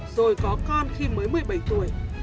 rồi có con khi mới một mươi bảy tuổi